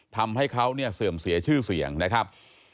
ทำให้เขาเนี่ยเสื่อมเสียชื่อเสียงนะครับ